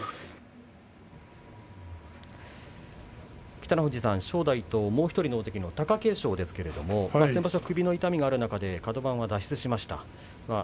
北の富士さん正代ともう１人の大関貴景勝ですけれど先場所、首の痛みがある中でカド番を脱出しました。